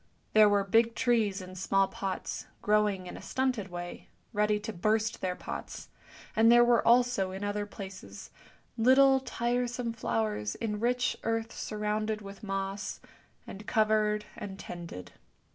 There were big trees in small pots, growing in a stunted way, ready to burst their pots; and there were also, in other places, little tiresome flowers in rich earth sur rounded with moss, and covered and tended.